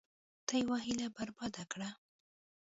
تا یوه هیله برباد کړه.